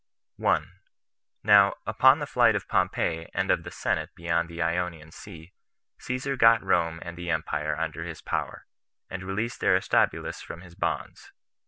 1. Now, upon the flight of Pompey and of the senate beyond the Ionian Sea, Caesar got Rome and the empire under his power, and released Aristobulus from his bonds.